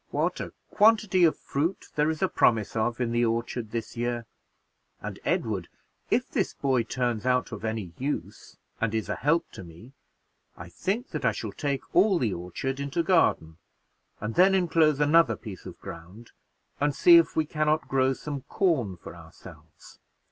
What a quantity of fruit there is a promise of in the orchard this year! And Edward, if this boy turns out of any use, and is a help to me, I think that I shall take all the orchard into garden, and then inclose another piece of ground, and see if we can not grow some corn for ourselves.